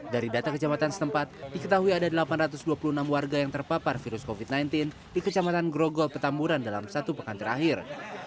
dari data kecamatan setempat diketahui ada delapan ratus dua puluh enam warga yang terpapar virus covid sembilan belas di kecamatan grogol petamburan dalam satu pekan terakhir